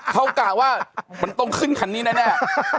มันกล่าว่าต้องขึ้นคันนี้แน่